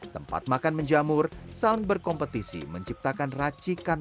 tempat makan menjamur saling berkompetisi menciptakan racikan